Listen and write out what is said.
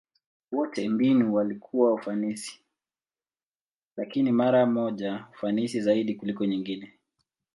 Wote mbinu walikuwa ufanisi, lakini mara moja ufanisi zaidi kuliko nyingine.